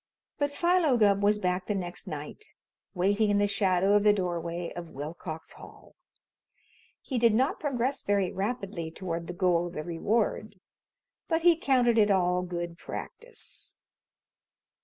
But Philo Gubb was back the next night, waiting in the shadow of the doorway of Willcox Hall. He did not progress very rapidly toward the goal of the reward, but he counted it all good practice.